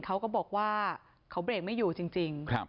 เขาก็บอกว่าเขาเบรกไม่อยู่จริง